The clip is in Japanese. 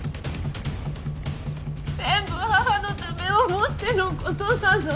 全部母のためを思ってのことなの。